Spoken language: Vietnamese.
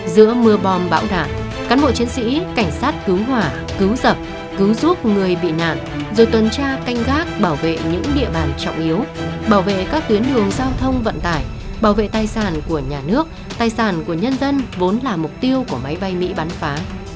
giữa mưa bom bão đạn cán bộ chiến sĩ cảnh sát cứu hỏa cứu dập cứu giúp người bị nạn rồi tuần tra canh gác bảo vệ những địa bàn trọng yếu bảo vệ các tuyến đường giao thông vận tải bảo vệ tài sản của nhà nước tài sản của nhân dân vốn là mục tiêu của máy bay mỹ bắn phá